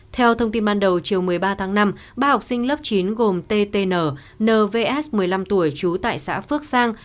theo thông tin ban đầu chiều một mươi ba tháng năm ba học sinh lớp chín gồm ttn nvs một mươi năm tuổi trú tại xã phước sang